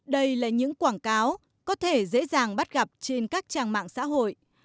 đây là những quảng cáo có thể dễ dàng bắt gặp trên các trang mạng xã hội